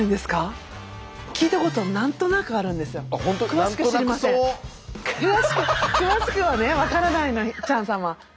詳しくはね分からないのチャン様。